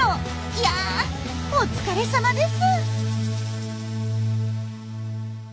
いやお疲れさまです。